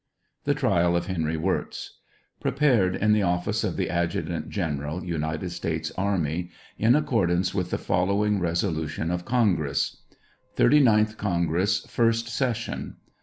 THE TRIAL OP HENRY WIRZ. [Prepared in the office of the Adjutant General United States army, in ac cordance with the following resolution of Congress :] THIRTY NINTH CONGRESS— FIRST SESSION.